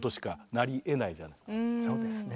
そうですね。